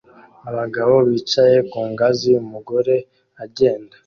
Abagabo bicaye ku ngazi umugore agenda